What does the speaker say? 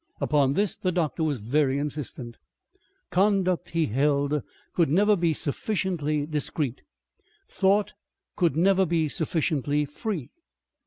Upon this the doctor was very insistent. Conduct, he held, could never be sufficiently discreet, thought could never be sufficiently free.